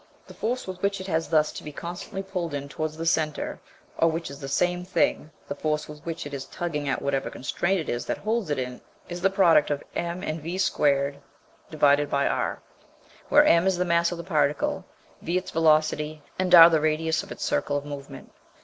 The force with which it has thus to be constantly pulled in towards the centre, or, which is the same thing, the force with which it is tugging at whatever constraint it is that holds it in, is mv^2/r; where m is the mass of the particle, v its velocity, and r the radius of its circle of movement.